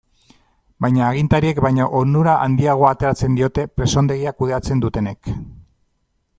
Baina agintariek baino onura handiagoa ateratzen diote presondegia kudeatzen dutenek.